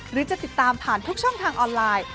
หรือจะติดตามผ่านทุกช่องทางออนไลน์